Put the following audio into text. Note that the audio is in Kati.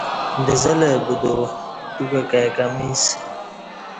دزلہ بدوو توکہ کای کمی اسہ